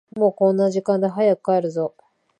もうこんな時間だ、早く帰るぞ。